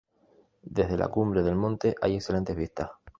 Desde la cumbre del monte hay excelentes vistas.